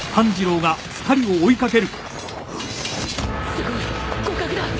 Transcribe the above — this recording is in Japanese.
すごい！互角だ！